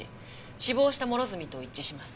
死亡した諸角と一致します。